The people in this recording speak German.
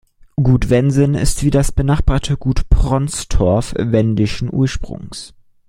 Gut Wensin ist wie das benachbarte Gut Pronstorf wendischen Ursprungs.